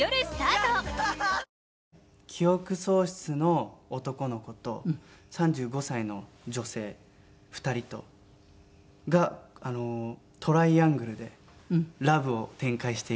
記憶喪失の男の子と３５歳の女性２人とがトライアングルでラブを展開していくっていう。